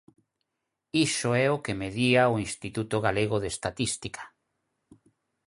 Iso é o que medía o Instituto Galego de Estatística.